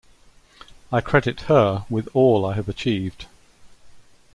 I credit her with all I have achieved.